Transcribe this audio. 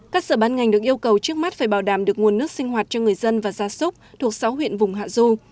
các sở bán ngành được yêu cầu trước mắt phải bảo đảm được nguồn nước sinh hoạt cho người dân và gia súc thuộc sáu huyện vùng hạ du